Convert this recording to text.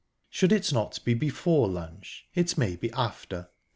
Should it not be before lunch, it may be _after.